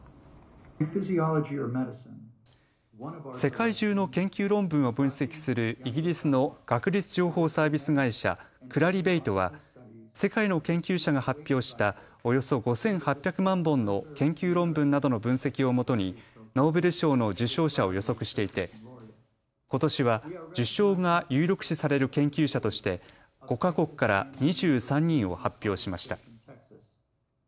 世界中の研究論文を分析するイギリスの学術情報サービス会社、クラリベイトは世界の研究者が発表したおよそ５８００万本の研究論文などの分析をもとにノーベル賞の受賞者を予測していてことしは受賞が有力視される研究者として５か国から２３人を発表しました。